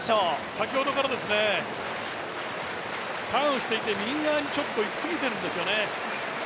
先ほどからターンをしていて右側にちょっといきすぎてるんですよね。